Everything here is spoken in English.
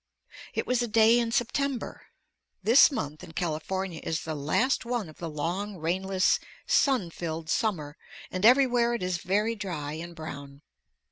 It was a day in September. This month in California is the last one of the long, rainless, sun filled summer, and everywhere it is very dry and brown.